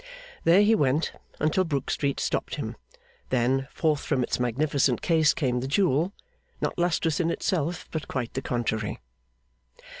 There he went, until Brook Street stopped him. Then, forth from its magnificent case came the jewel; not lustrous in itself, but quite the contrary.